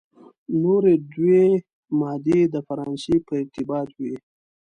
نوري دوې مادې د فرانسې په ارتباط وې.